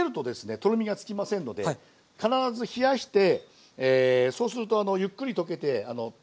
とろみがつきませんので必ず冷やしてそうするとゆっくり溶けてとろみがつきますので。